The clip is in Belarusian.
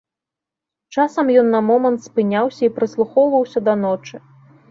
Часам ён на момант спыняўся і прыслухоўваўся да ночы.